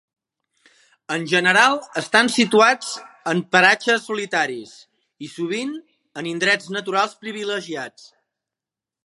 En general estan situats en paratges solitaris i sovint en indrets naturals privilegiats.